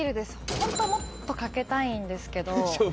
ホントはもっと賭けたいんですけど。